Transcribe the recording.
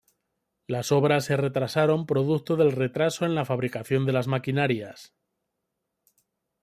Las obras se retrasaron producto del retraso en la fabricación de las maquinarias.